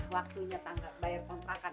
udah waktunya tangga bayar kontrakan